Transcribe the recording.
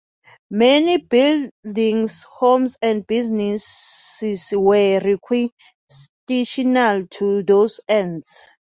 Many buildings, homes, and businesses were requisitioned to those ends.